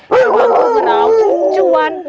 yang berau au cuan